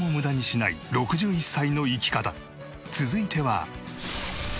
続いては。